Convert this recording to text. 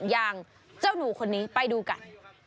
อย่างเจ้าหนูคนนี้ไปดูกัน